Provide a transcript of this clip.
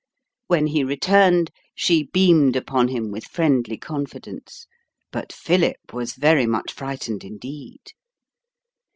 When he returned, she beamed upon him with friendly confidence. But Philip was very much frightened indeed.